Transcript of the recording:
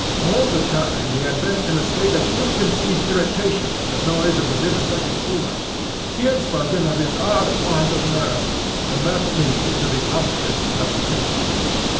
All the time he had been in a state of ill concealed irritation at the noise of the vivisected puma. He had spoken of his odd want of nerve, and left me to the obvious application.